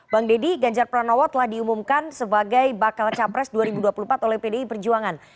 bang deddy ganjar pranowo telah diumumkan sebagai bakal capres dua ribu dua puluh empat oleh pdi perjuangan